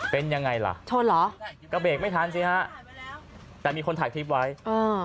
เป็นยังไงล่ะชนเหรอก็เบรกไม่ทันสิฮะแต่มีคนถ่ายคลิปไว้อ่า